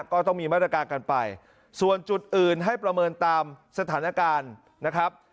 ก็ต้องมีมาตรการกันไปส่วนจุดอื่นให้ประเมินตามสถานการณ์นะครับ